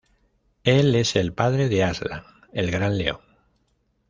Él es el padre de Aslan, el gran león.